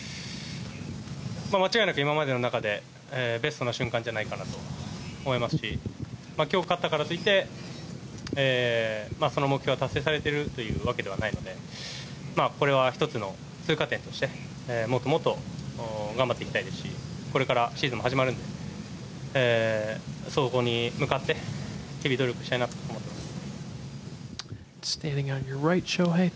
間違いなく今までの中でベストな瞬間じゃないかなと思いますし今日勝ったからといってその目標が達成されているわけではないのでこれは１つの通過点としてもっともっと頑張っていきたいですしこれからシーズンも始まるんでそこに向かって日々努力したいなと思っています。